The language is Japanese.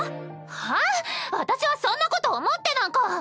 はっ⁉私はそんなこと思ってなんか。